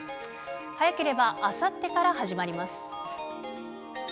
早ければあさってから始まります。